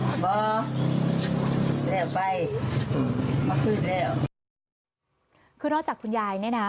บ่แล้วไปเอาขึ้นแล้วคือนอกจากคุณยายนี่น่ะ